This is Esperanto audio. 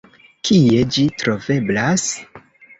Kie ĝi troveblas?